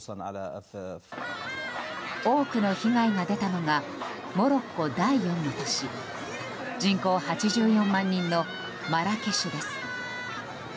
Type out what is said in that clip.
多くの被害が出たのがモロッコ第４の都市人口８４万人のマラケシュです。